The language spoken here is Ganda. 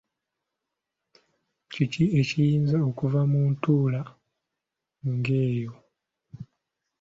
Kiki ekiyinza okuva mu ntuula ng’eyo?